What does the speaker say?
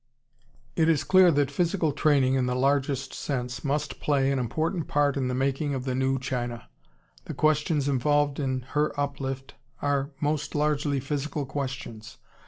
It is clear that physical training, in the largest sense, must play an important part in the making of the "New China." The questions involved in her uplift are most largely physical questions.